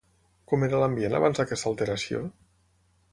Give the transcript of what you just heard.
Com era l'ambient abans d'aquesta alteració?